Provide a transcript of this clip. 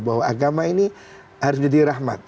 bahwa agama ini harus menjadi rahmat